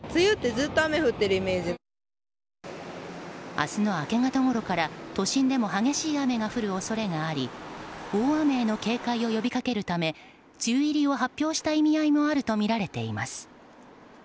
明日の明け方ごろから都心でも激しい雨が降る恐れがあり大雨への警戒を呼びかけるため梅雨入りを発表した意味合いもあるとみられています。